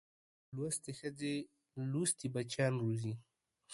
لوستې ښځې لوستي بچیان روزي